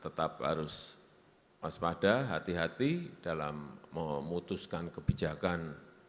tetap harus puas pada hati hati dalam memutuskan kebijakan